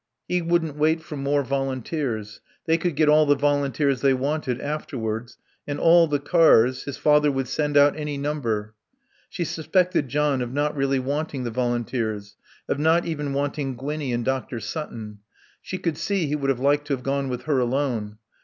He wouldn't wait for more volunteers. They could get all the volunteers they wanted afterwards; and all the cars, his father would send out any number. She suspected John of not really wanting the volunteers, of not even wanting Gwinnie and Dr. Sutton. She could see he would have liked to have gone with her alone.